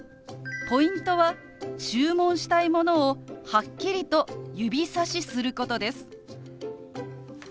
ポイントは注文したいものをはっきりと指さしすることです。